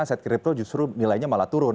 aset kripto justru nilainya malah turun